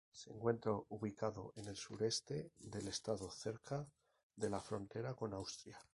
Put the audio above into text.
Se encuentra ubicado al sureste del estado, cerca de la frontera con Austria.